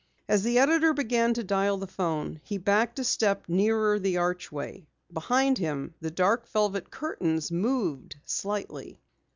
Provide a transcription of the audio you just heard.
As the editor began to dial the phone, he backed a step nearer the archway. Behind him, the dark velvet curtains moved slightly.